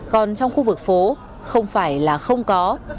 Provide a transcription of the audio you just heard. còn trong khu vực phố không phải là không có